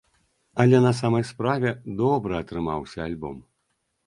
Але на самай справе, добры атрымаўся альбом.